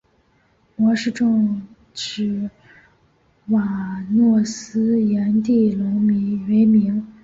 模式种是诺瓦斯颜地龙为名。